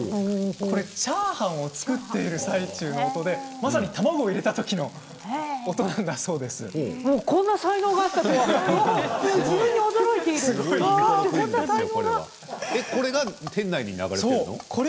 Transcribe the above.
チャーハンを作っている最中の音で、まさに卵を入れたときのこんな才能があったとはこれが店内に流れているの？